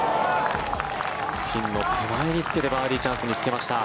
ピンの手前につけてバーディーチャンスにつけました。